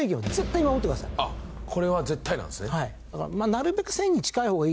これは絶対なんですね。